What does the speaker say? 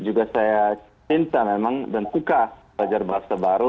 juga saya cinta memang dan suka belajar bahasa baru